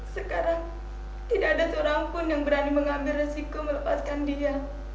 sekarang tidak ada seorang pun yang berani mengambil resiko melepaskan dia